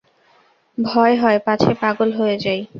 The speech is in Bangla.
ভয় হয় পাছে পাগল হয়ে যাই।